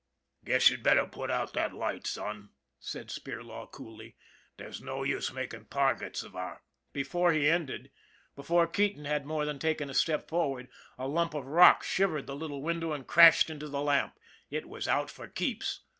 " Guess you'd better put out that light, son," said Spirlaw coolly. " There's no use makin' targets of our " Before he ended, before Keating had more than taken a step forward, a lump of rock shivered the little window and crashed into the lamp it was out for keeps.